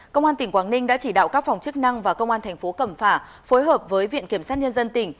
công an tỉnh quảng ninh đã chỉ đạo các phòng chức năng và công an thành phố cẩm phả phối hợp với viện kiểm sát nhân dân tỉnh